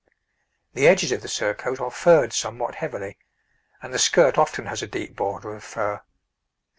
The edges of the surcoat are furred somewhat heavily, and the skirt often has a deep border of fur.